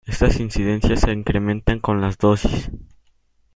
Estas incidencias se incrementan con las dosis.